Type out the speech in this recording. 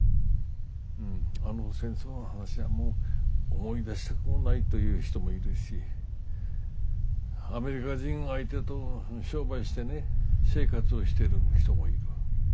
うんあの戦争の話はもう思い出したくもないという人もいるしアメリカ人相手と商売してね生活をしてる人もいる。